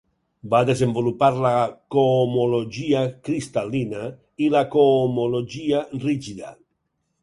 Va desenvolupar la cohomologia cristal·lina i la cohomologia rígida.